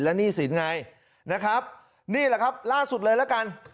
หนี้สินไงนะครับนี่แหละครับล่าสุดเลยละกัน